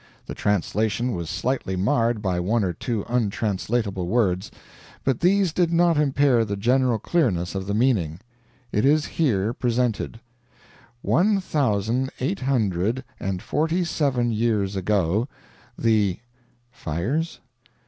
The translation was slightly marred by one or two untranslatable words, but these did not impair the general clearness of the meaning. It is here presented: "One thousand eight hundred and forty seven years ago, the (fires?)